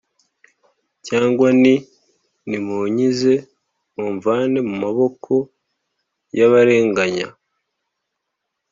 cyangwa nti ‘nimunkize mumvane mu maboko y’abarenganya’’